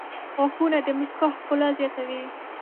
• غاښونه د مسکا ښکلا زیاتوي.